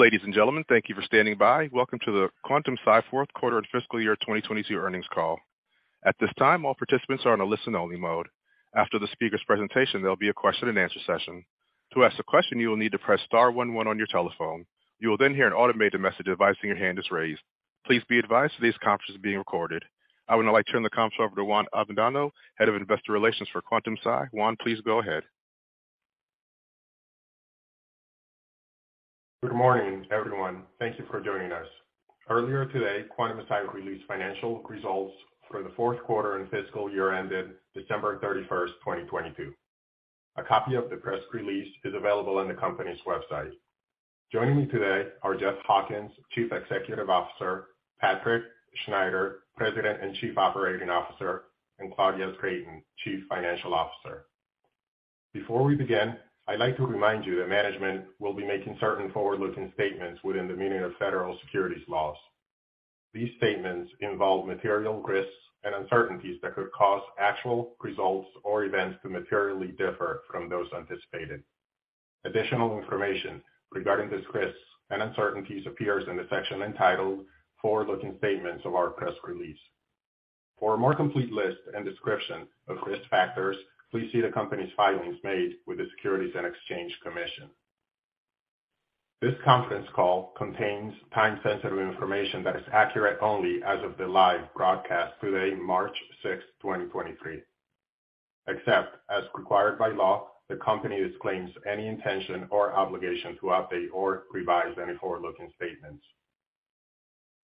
Ladies and gentlemen, thank you for standing by. Welcome to the Quantum-Si fourth quarter and fiscal year 2022 earnings call. At this time, all participants are on a listen only mode. After the speaker's presentation, there'll be a question and answer session. To ask a question, you will need to press star one one on your telephone. You will then hear an automated message advising your hand is raised. Please be advised today's conference is being recorded. I would now like to turn the conference over to Juan Avendano, Head of Investor Relations for Quantum-Si. Juan, please go ahead. Good morning, everyone. Thank you for joining us. Earlier today, Quantum-Si released financial results for the fourth quarter and fiscal year ended December 31st, 2022. A copy of the press release is available on the company's website. Joining me today are Jeff Hawkins, Chief Executive Officer, Patrick Schneider, President and Chief Operating Officer, and Claudia Creighton, Chief Financial Officer. Before we begin, I'd like to remind you that management will be making certain forward-looking statements within the meaning of Federal Securities laws. These statements involve material risks and uncertainties that could cause actual results or events to materially differ from those anticipated. Additional information regarding these risks and uncertainties appears in the section entitled Forward-Looking Statements of our press release. For a more complete list and description of risk factors, please see the company's filings made with the Securities and Exchange Commission. This conference call contains time-sensitive information that is accurate only as of the live broadcast today, March 6, 2023. Except as required by law, the company disclaims any intention or obligation to update or revise any forward-looking statements.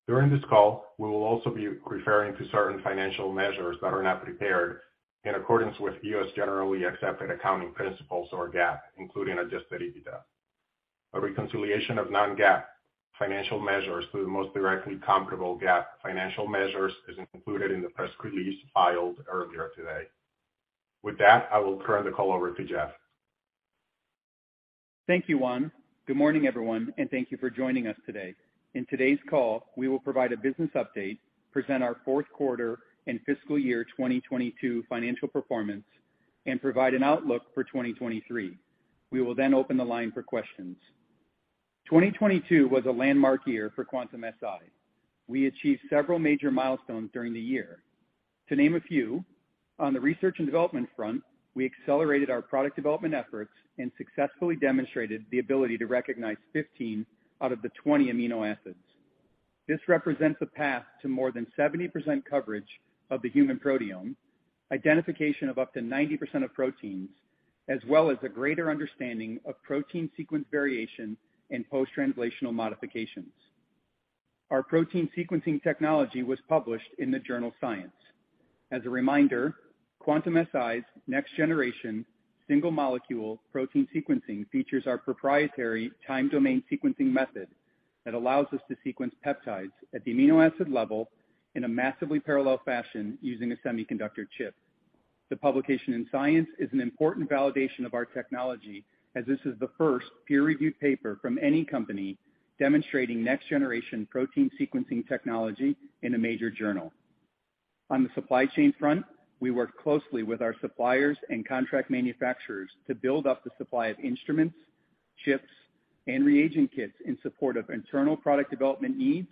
During this call, we will also be referring to certain financial measures that are not prepared in accordance with U.S., generally accepted accounting principles or GAAP, including adjusted EBITDA. A reconciliation of non-GAAP financial measures to the most directly comparable GAAP financial measures is included in the press release filed earlier today. With that, I will turn the call over to Jeff. Thank you, Juan. Good morning, everyone, and thank you for joining us today. In today's call, we will provide a business update, present our fourth quarter and fiscal year 2022 financial performance, and provide an outlook for 2023. We will then open the line for questions. 2022 was a landmark year for Quantum-Si. We achieved several major milestones during the year. To name a few, on the research and development front, we accelerated our product development efforts and successfully demonstrated the ability to recognize 15 out of the 20 amino acids. This represents a path to more than 70% coverage of the human proteome, identification of up to 90% of proteins, as well as a greater understanding of protein sequence variation and post-translational modifications. Our protein sequencing technology was published in the journal Science. As a reminder, Quantum-Si's next-generation single molecule protein sequencing features our proprietary Time Domain Sequencing method that allows us to sequence peptides at the amino acid level in a massively parallel fashion using a semiconductor chip. The publication in Science is an important validation of our technology as this is the first peer-reviewed paper from any company demonstrating next-generation protein sequencing technology in a major journal. On the supply chain front, we work closely with our suppliers and contract manufacturers to build up the supply of instruments, chips, and reagent kits in support of internal product development needs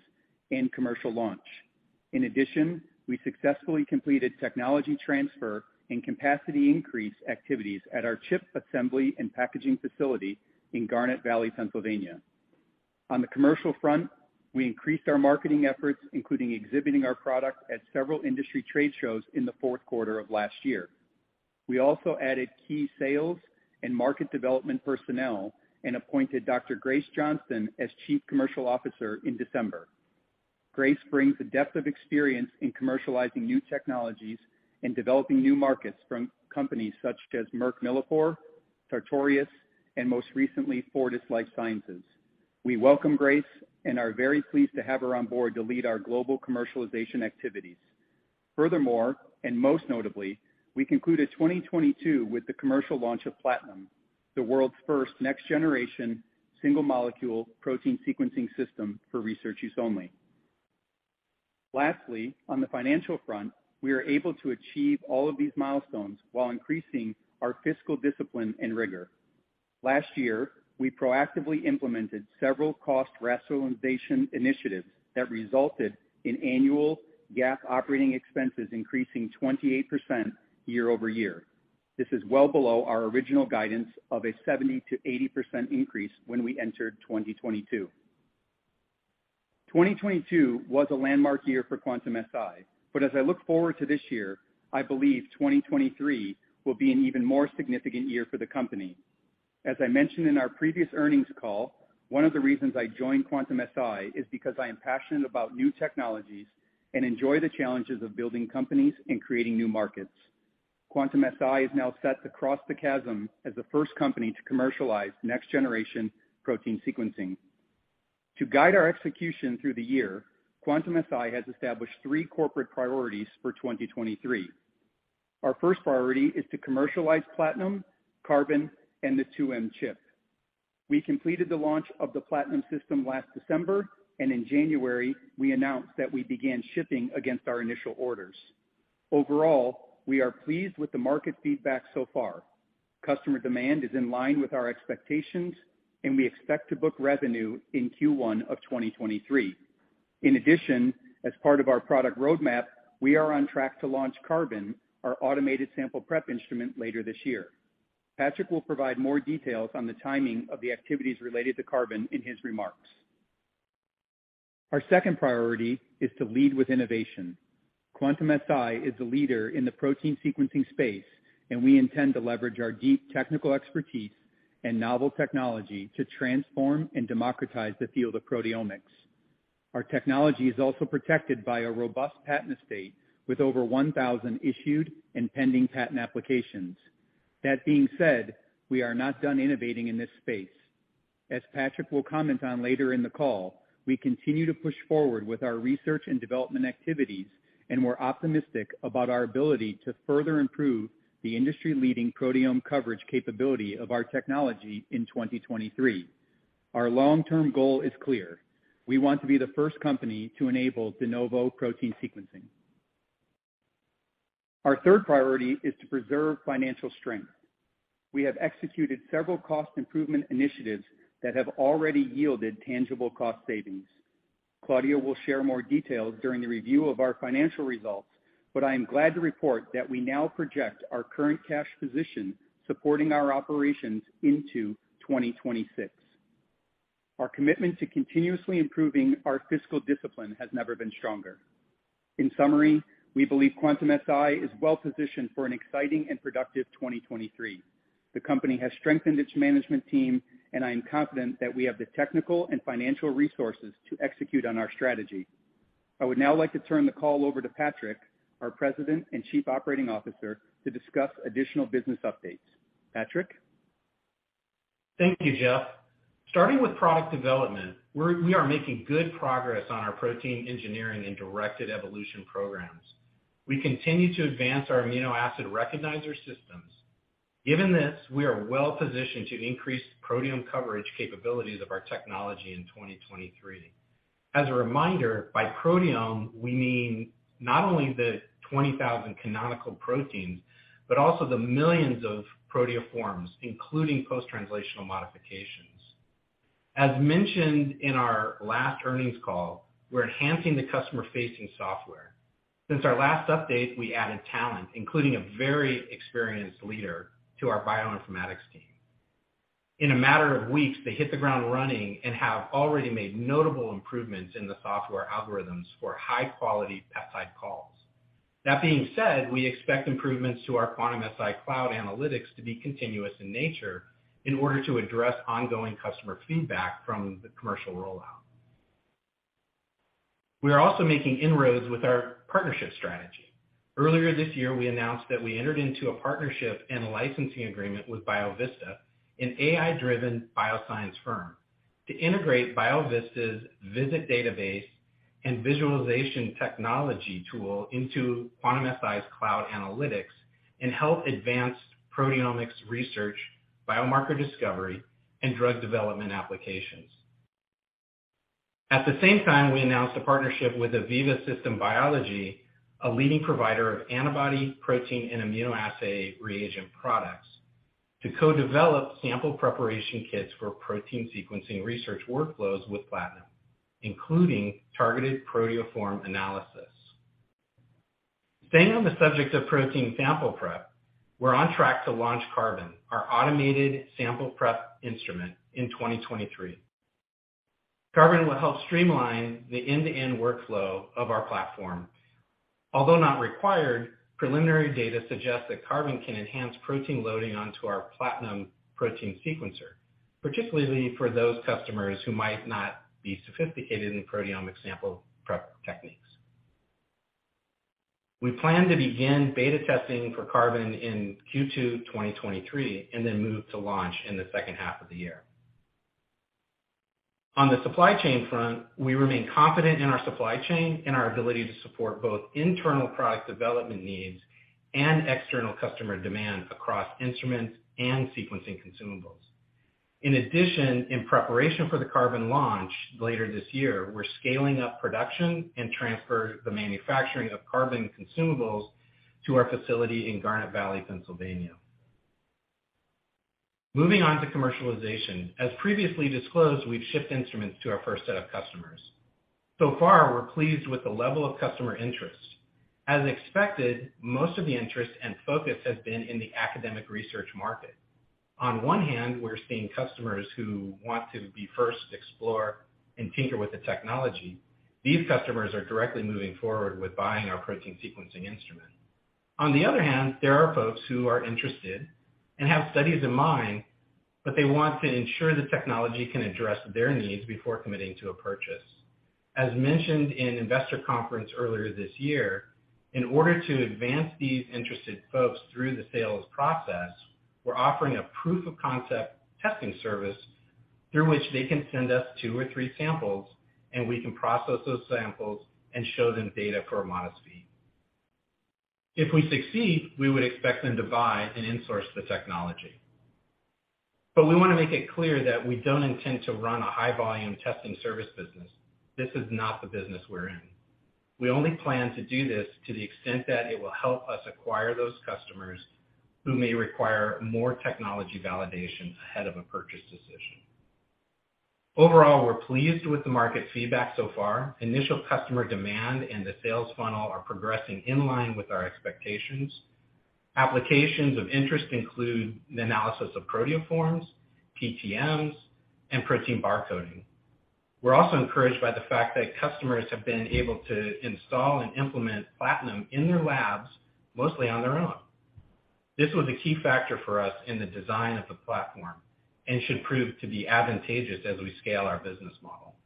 and commercial launch. In addition, we successfully completed technology transfer and capacity increase activities at our chip assembly and packaging facility in Garnet Valley, Pennsylvania. On the commercial front, we increased our marketing efforts, including exhibiting our product at several industry trade shows in the fourth quarter of last year. We also added key sales and market development personnel and appointed Dr. Grace Johnston as Chief Commercial Officer in December. Grace brings a depth of experience in commercializing new technologies and developing new markets from companies such as Merck Millipore, Sartorius, and most recently, Fortis Life Sciences. We welcome Grace and are very pleased to have her on board to lead our global commercialization activities. Most notably, we concluded 2022 with the commercial launch of Platinum, the world's first next generation single molecule protein sequencing system for research use only. On the financial front, we are able to achieve all of these milestones while increasing our fiscal discipline and rigor. Last year, we proactively implemented several cost rationalization initiatives that resulted in annual GAAP operating expenses increasing 28% year-over-year. This is well below our original guidance of a 70%-80% increase when we entered 2022. 2022 was a landmark year for Quantum-Si, but as I look forward to this year, I believe 2023 will be an even more significant year for the company. As I mentioned in our previous earnings call, one of the reasons I joined Quantum-Si is because I am passionate about new technologies and enjoy the challenges of building companies and creating new markets. Quantum-Si is now set to cross the chasm as the first company to commercialize next generation protein sequencing. To guide our execution through the year, Quantum-Si has established three corporate priorities for 2023. Our first priority is to commercialize Platinum, Carbon, and the 2M chip. We completed the launch of the Platinum system last December, and in January, we announced that we began shipping against our initial orders. Overall, we are pleased with the market feedback so far. Customer demand is in line with our expectations, and we expect to book revenue in Q1 of 2023. In addition, as part of our product roadmap, we are on track to launch Carbon, our automated sample prep instrument, later this year. Patrick will provide more details on the timing of the activities related to Carbon in his remarks. Our second priority is to lead with innovation. Quantum-Si is a leader in the protein sequencing space. We intend to leverage our deep technical expertise and novel technology to transform and democratize the field of proteomics. Our technology is also protected by a robust patent estate with over 1,000 issued and pending patent applications. That being said, we are not done innovating in this space. As Patrick will comment on later in the call, we continue to push forward with our research and development activities, and we're optimistic about our ability to further improve the industry-leading proteome coverage capability of our technology in 2023. Our long-term goal is clear. We want to be the first company to enable de novo protein sequencing. Our third priority is to preserve financial strength. We have executed several cost improvement initiatives that have already yielded tangible cost savings. Claudia will share more details during the review of our financial results, but I am glad to report that we now project our current cash position supporting our operations into 2026. Our commitment to continuously improving our fiscal discipline has never been stronger. In summary, we believe Quantum-Si is well positioned for an exciting and productive 2023. The company has strengthened its management team. I am confident that we have the technical and financial resources to execute on our strategy. I would now like to turn the call over to Patrick, our President and Chief Operating Officer, to discuss additional business updates. Patrick. Thank you, Jeff. Starting with product development, we are making good progress on our protein engineering and directed evolution programs. We continue to advance our amino acid recognizer systems. Given this, we are well positioned to increase proteome coverage capabilities of our technology in 2023. As a reminder, by proteome, we mean not only the 20,000 canonical proteins, but also the millions of proteoforms, including post-translational modifications. As mentioned in our last earnings call, we're enhancing the customer-facing software. Since our last update, we added talent, including a very experienced leader to our bioinformatics team. In a matter of weeks, they hit the ground running and have already made notable improvements in the software algorithms for high-quality peptide calls. That being said, we expect improvements to our Quantum-Si Cloud analytics to be continuous in nature in order to address ongoing customer feedback from the commercial rollout. We are also making inroads with our partnership strategy. Earlier this year, we announced that we entered into a partnership and licensing agreement with Biovista, an AI-driven bioscience firm, to integrate Biovista's VIZIT database and visualization technology tool into Quantum-Si Cloud analytics and help advance proteomics research, biomarker discovery, and drug development applications. At the same time, we announced a partnership with Aviva Systems Biology, a leading provider of antibody, protein, and immunoassay reagent products, to co-develop sample preparation kits for protein sequencing research workflows with Platinum, including targeted proteoform analysis. Staying on the subject of protein sample prep, we're on track to launch Carbon, our automated sample prep instrument, in 2023. Carbon will help streamline the end-to-end workflow of our platform. Although not required, preliminary data suggests that Carbon can enhance protein loading onto our Platinum protein sequencer, particularly for those customers who might not be sophisticated in proteomic sample prep techniques. We plan to begin beta testing for Carbon in Q2 2023 and then move to launch in the second half of the year. On the supply chain front, we remain confident in our supply chain and our ability to support both internal product development needs and external customer demand across instruments and sequencing consumables. In addition, in preparation for the Carbon launch later this year, we're scaling up production and transfer the manufacturing of Carbon consumables to our facility in Garnet Valley, Pennsylvania. Moving on to commercialization. As previously disclosed, we've shipped instruments to our first set of customers. So far, we're pleased with the level of customer interest. As expected, most of the interest and focus has been in the academic research market. On one hand, we're seeing customers who want to be first to explore and tinker with the technology. These customers are directly moving forward with buying our protein sequencing instrument. On the other hand, there are folks who are interested and have studies in mind, but they want to ensure the technology can address their needs before committing to a purchase. As mentioned in Investor Conference earlier this year, in order to advance these interested folks through the sales process, we're offering a proof of concept testing service through which they can send us two or three samples, and we can process those samples and show them data for a modest fee. If we succeed, we would expect them to buy and in-source the technology. We wanna make it clear that we don't intend to run a high volume testing service business. This is not the business we're in. We only plan to do this to the extent that it will help us acquire those customers who may require more technology validation ahead of a purchase decision. Overall, we're pleased with the market feedback so far. Initial customer demand and the sales funnel are progressing in line with our expectations. Applications of interest include the analysis of proteoforms, PTMs, and protein barcoding. We're also encouraged by the fact that customers have been able to install and implement Platinum in their labs, mostly on their own. This was a key factor for us in the design of the platform and should prove to be advantageous as we scale our business model.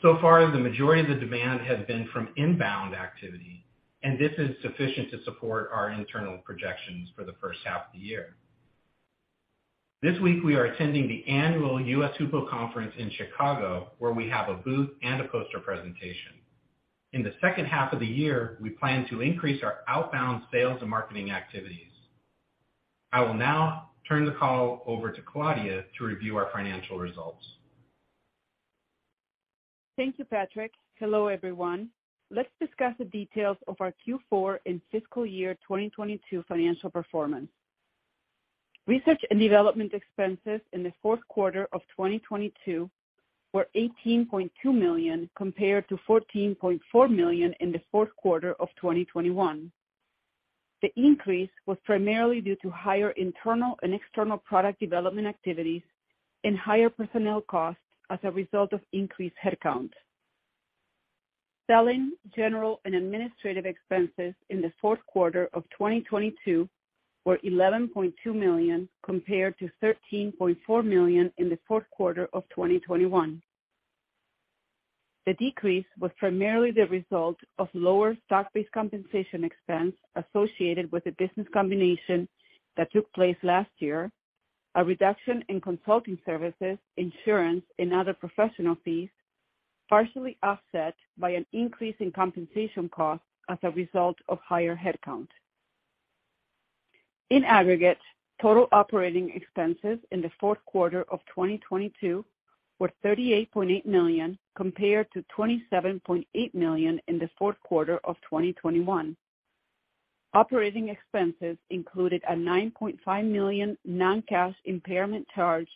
So far, the majority of the demand has been from inbound activity, and this is sufficient to support our internal projections for the first half of the year. This week, we are attending the annual US HUPO conference in Chicago, where we have a booth and a poster presentation. In the second half of the year, we plan to increase our outbound sales and marketing activities. I will now turn the call over to Claudia to review our financial results. Thank you, Patrick. Hello, everyone. Let's discuss the details of our Q4 and fiscal year 2022 financial performance. Research and development expenses in the fourth quarter of 2022 were $18.2 million compared to $14.4 million in the fourth quarter of 2021. The increase was primarily due to higher internal and external product development activities and higher personnel costs as a result of increased headcount. Selling, general and administrative expenses in the fourth quarter of 2022 were $11.2 million compared to $13.4 million in the fourth quarter of 2021. The decrease was primarily the result of lower stock-based compensation expense associated with the business combination that took place last year, a reduction in consulting services, insurance, and other professional fees, partially offset by an increase in compensation costs as a result of higher headcount. In aggregate, total operating expenses in the fourth quarter of 2022 were $38.8 million compared to $27.8 million in the fourth quarter of 2021. Operating expenses included a $9.5 million non-cash impairment charge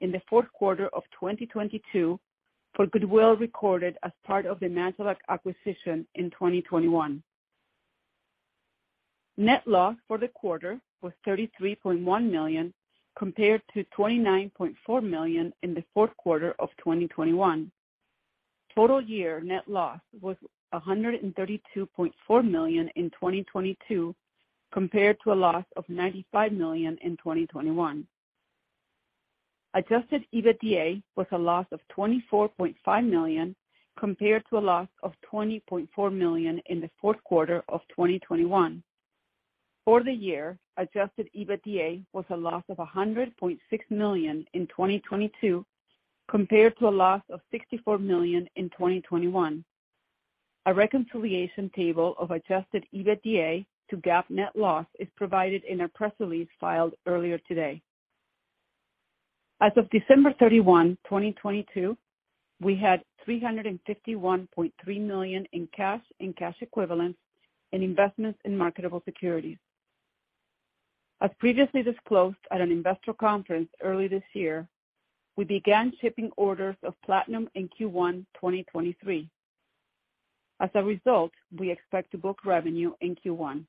in the fourth quarter of 2022 for goodwill recorded as part of the Majelac acquisition in 2021. Net loss for the quarter was $33.1 million compared to $29.4 million in the fourth quarter of 2021. Total year net loss was $132.4 million in 2022 compared to a loss of $95 million in 2021. adjusted EBITDA was a loss of $24.5 million compared to a loss of $20.4 million in the fourth quarter of 2021. For the year, adjusted EBITDA was a loss of $100.6 million in 2022 compared to a loss of $64 million in 2021. A reconciliation table of adjusted EBITDA to GAAP net loss is provided in our press release filed earlier today. As of December 31, 2022, we had $351.3 million in cash and cash equivalents and investments in marketable securities. As previously disclosed at an investor conference early this year, we began shipping orders of Platinum in Q1 2023. As a result, we expect to book revenue in Q1.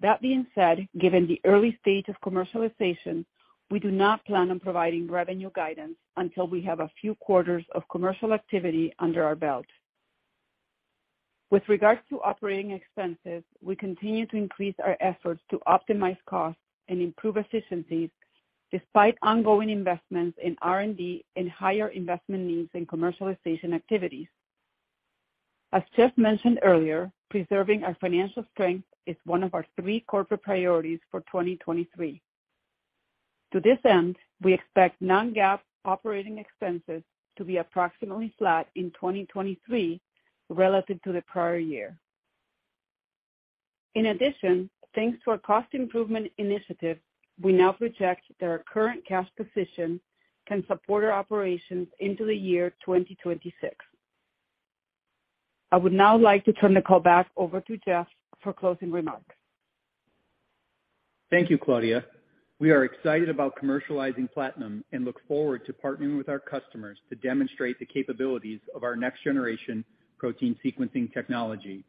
That being said, given the early stage of commercialization, we do not plan on providing revenue guidance until we have a few quarters of commercial activity under our belt. With regards to operating expenses, we continue to increase our efforts to optimize costs and improve efficiencies despite ongoing investments in R&D and higher investment needs in commercialization activities. As Jeff mentioned earlier, preserving our financial strength is one of our three corporate priorities for 2023. To this end, we expect non-GAAP operating expenses to be approximately flat in 2023 relative to the prior year. In addition, thanks to our cost improvement initiative, we now project that our current cash position can support our operations into the year 2026. I would now like to turn the call back over to Jeff for closing remarks. Thank you, Claudia. We are excited about commercializing Platinum and look forward to partnering with our customers to demonstrate the capabilities of our next generation protein sequencing technology.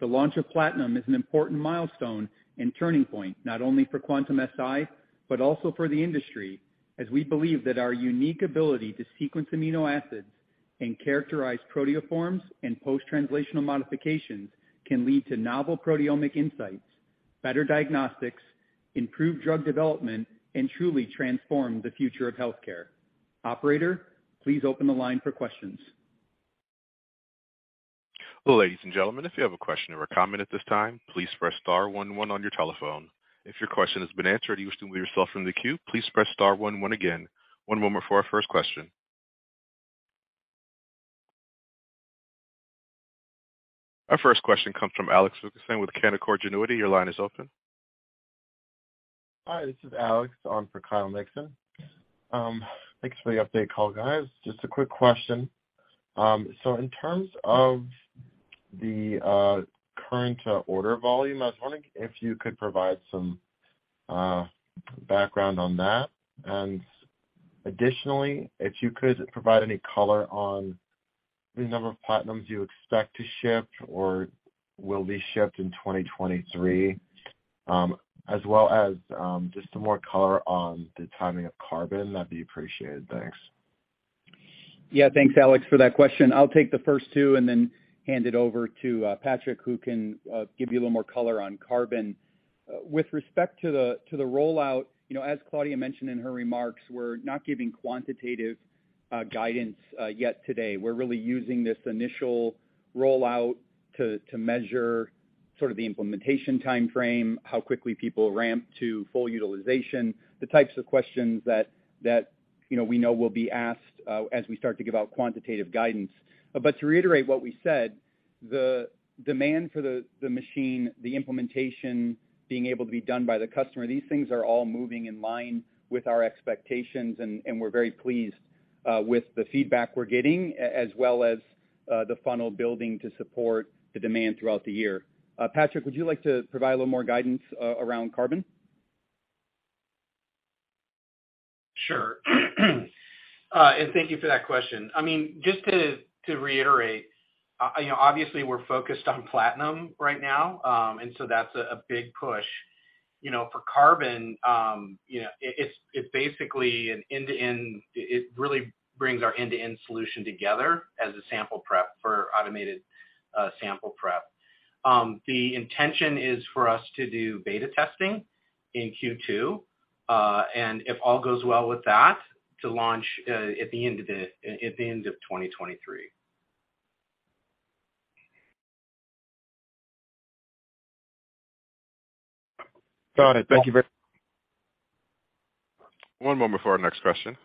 The launch of Platinum is an important milestone and turning point, not only for Quantum-Si, but also for the industry, as we believe that our unique ability to sequence amino acids and characterize proteoforms and post-translational modifications can lead to novel proteomic insights, better diagnostics, improved drug development, and truly transform the future of healthcare. Operator, please open the line for questions. Ladies and gentlemen, if you have a question or a comment at this time, please press star one one on your telephone. If your question has been answered or you wish to remove yourself from the queue, please press star one one again. One moment for our first question. Our first question comes from Kyle Mikson with Canaccord Genuity. Your line is open. Hi, this is Alex on for Kyle Mikson. Thanks for the update call, guys. Just a quick question. In terms of the current order volume, I was wondering if you could provide some background on that. Additionally, if you could provide any color on the number of Platinum you expect to ship or will be shipped in 2023, as well as just some more color on the timing of Carbon, that'd be appreciated. Thanks. Yeah. Thanks, Alex, for that question. I'll take the first two and then hand it over to Patrick Schneider, who can give you a little more color on Carbon. With respect to the, to the rollout, you know, as Claudia Saunders mentioned in her remarks, we're not giving quantitative guidance yet today. We're really using this initial rollout to measure sort of the implementation timeframe, how quickly people ramp to full utilization, the types of questions that, you know, we know will be asked as we start to give out quantitative guidance. To reiterate what we said, the machine, the implementation being able to be done by the customer, these things are all moving in line with our expectations, and we're very pleased with the feedback we're getting as well as the funnel building to support the demand throughout the year. Patrick, would you like to provide a little more guidance around Carbon? Sure. Thank you for that question. I mean, just to reiterate, you know, obviously we're focused on Platinum right now. That's a big push. You know, for Carbon, you know, It really brings our end-to-end solution together as a sample prep for automated sample prep. The intention is for us to do beta testing in Q2. If all goes well with that, to launch at the end of 2023. Got it. Thank you very- One moment for our next question.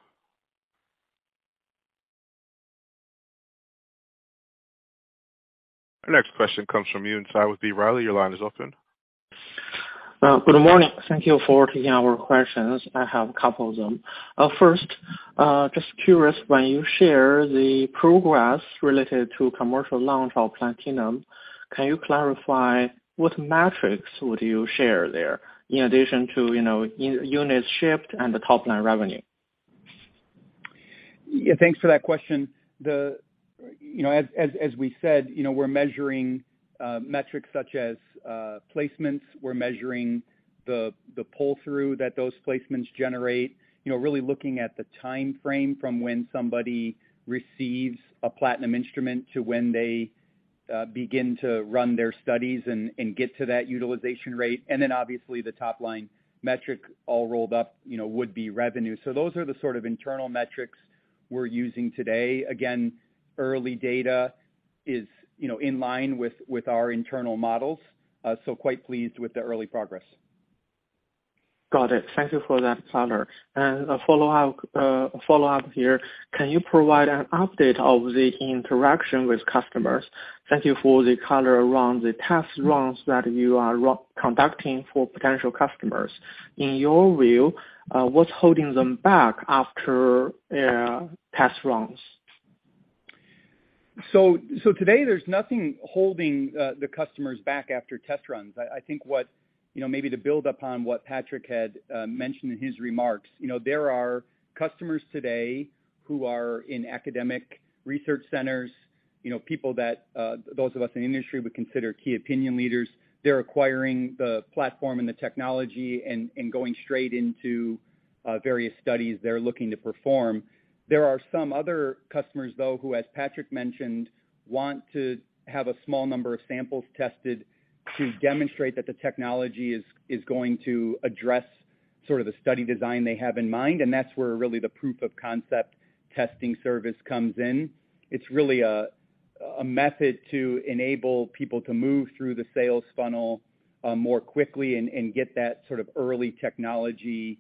Our next question comes from Yuan-Po Tsai with B. Riley. Your line is open. Good morning. Thank you for taking our questions. I have a couple of them. First, just curious, when you share the progress related to commercial launch of Platinum, can you clarify what metrics would you share there in addition to, you know, units shipped and the top line revenue? Yeah, thanks for that question. You know, as we said, you know, we're measuring, metrics such as, placements. We're measuring the pull-through that those placements generate. You know, really looking at the timeframe from when somebody receives a Platinum instrument to when they begin to run their studies and get to that utilization rate. Then obviously the top line metric all rolled up, you know, would be revenue. Those are the sort of internal metrics we're using today. Again, early data is, you know, in line with our internal models, so quite pleased with the early progress. Got it. Thank you for that color. A follow up here, can you provide an update of the interaction with customers? Thank you for the color around the test runs that you are conducting for potential customers. In your view, what's holding them back after test runs? Today there's nothing holding the customers back after test runs. I think, you know, maybe to build upon what Patrick had mentioned in his remarks, you know, there are customers today who are in academic research centers, you know, people that those of us in the industry would consider key opinion leaders. They're acquiring the platform and the technology and going straight into various studies they're looking to perform. There are some other customers, though, who, as Patrick mentioned, want to have a small number of samples tested to demonstrate that the technology is going to address sort of the study design they have in mind, and that's where really the proof of concept testing service comes in. It's really a method to enable people to move through the sales funnel, more quickly and get that sort of early technology,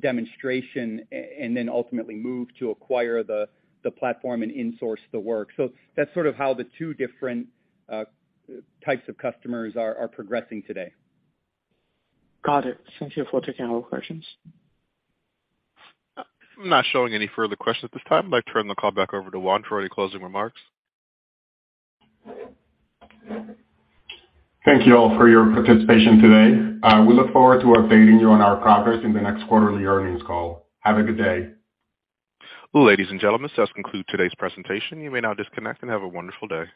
demonstration and then ultimately move to acquire the platform and insource the work. That's sort of how the two different types of customers are progressing today. Got it. Thank you for taking our questions. I'm not showing any further questions at this time. I'd like to turn the call back over to Juan for any closing remarks. Thank you all for your participation today. We look forward to updating you on our progress in the next quarterly earnings call. Have a good day. Ladies and gentlemen, this does conclude today's presentation. You may now disconnect and have a wonderful day.